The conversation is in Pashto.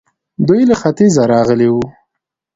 دوی له ختيځه راغلي وو